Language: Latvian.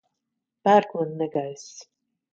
Pērkona negaiss.